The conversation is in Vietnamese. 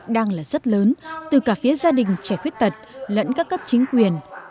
đang là rất lớn từ cả phía gia đình trẻ khuyết tật lẫn các cấp chính quyền